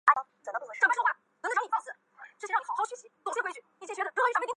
其殉道事迹被记载于圣经宗徒大事录第六及第七章。